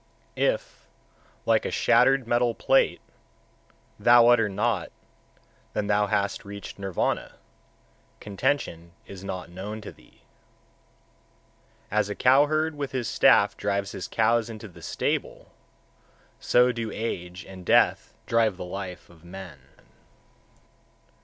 134. If, like a shattered metal plate (gong), thou utter not, then thou hast reached Nirvana; contention is not known to thee. 135. As a cowherd with his staff drives his cows into the stable, so do Age and Death drive the life of men.